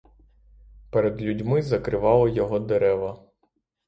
Перед людьми закривали його дерева.